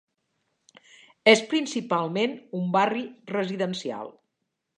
És principalment un barri residencial.